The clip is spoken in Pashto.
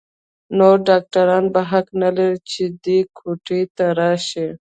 نور ډاکتران به حق نه لري چې دې کوټې ته راشي.